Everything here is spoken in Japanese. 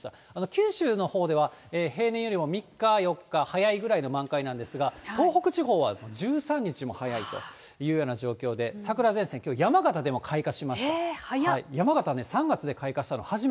九州のほうでは平年よりも３日、４日早いぐらいの満開なんですが、東北地方は１３日も早いというような状況で、桜前線、きょう山形でも開花しました。